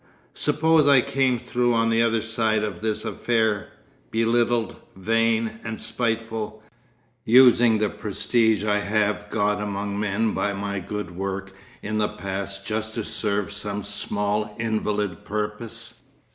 Suppose I came through on the other side of this affair, belittled, vain, and spiteful, using the prestige I have got among men by my good work in the past just to serve some small invalid purpose....